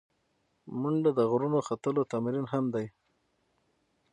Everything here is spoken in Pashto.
منډه د غرونو ختلو تمرین هم دی